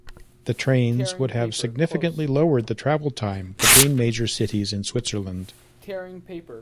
The trains would have significantly lowered the travel time between major cities in Switzerland.